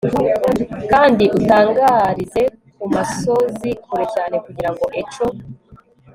Kandi utangarize kumasozi kure cyane kugirango echo